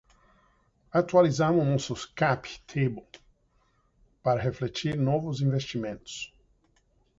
Atualizamos nosso cap table para refletir novos investimentos.